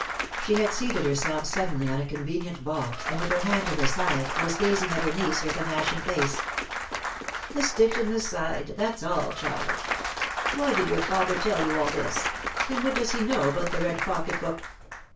She had seated herself suddenly on a convenient box, and with her hand to her side, was gazing at her niece with an ashen face. "A stitch in the side that's all, child! Why did your father tell you all this and what does he know about the red pocket book?"